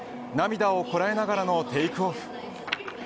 涙をこらえながらのテイクオフ。